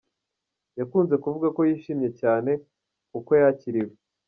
Yakunze kuvuga ko yishimiye cyane uko yakiriwe.